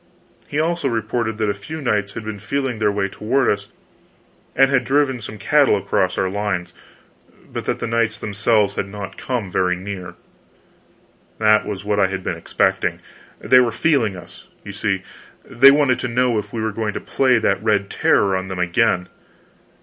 He also reported that a few knights had been feeling their way toward us, and had driven some cattle across our lines, but that the knights themselves had not come very near. That was what I had been expecting. They were feeling us, you see; they wanted to know if we were going to play that red terror on them again.